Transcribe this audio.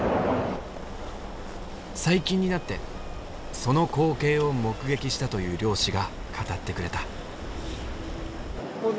最近になってその光景を目撃したという漁師が語ってくれた。